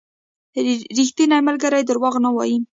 • ریښتینی ملګری دروغ نه وايي.